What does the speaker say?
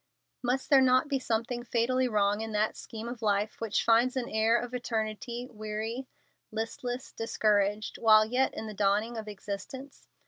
Must there not be something fatally wrong in that scheme of life which finds an heir of eternity weary, listless, discouraged, while yet in the dawning of existence?